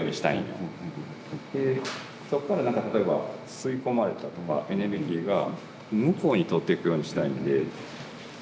でそこからなんか例えば吸い込まれたエネルギーが向こうに通っていくようにしたいんで。